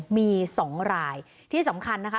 มี๒รายที่สำคัญนะคะ